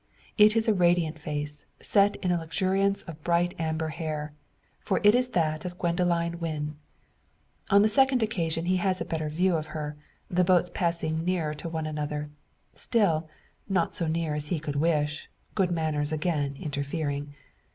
It is a radiant face, set in a luxuriance of bright amber hair for it is that of Gwendoline Wynn. On the second occasion he has a better view of her, the boats passing nearer to one another; still, not so near as he could wish, good manners again interfering.